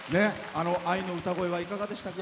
愛の歌声はいかがでしたか？